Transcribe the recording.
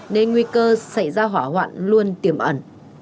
nên nguy cơ xảy ra hỏa hoạn luôn tiềm ẩn